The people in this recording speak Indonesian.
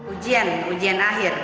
ujian ujian akhir